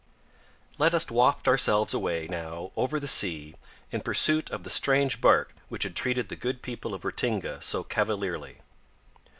Let us waft ourselves away, now, over the sea, in pursuit of the strange barque which had treated the good people of Ratinga so cavalierly.